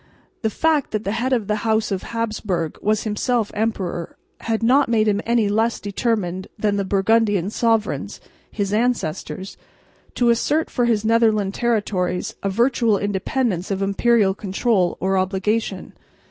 The fact that the head of the house of Habsburg was himself emperor had not made him any less determined than the Burgundian sovereigns, his ancestors, to assert for his Netherland territories a virtual independence of imperial control or obligation.